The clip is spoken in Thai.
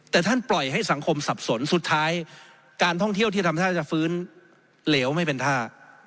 แต่ท่านปล่อยให้สังคมสับสนสุดท้ายการท่องเที่ยวที่ทำท่าจะฟื้นเหลวไม่เป็นท่า